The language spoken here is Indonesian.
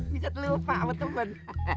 bisa terlupa betul ben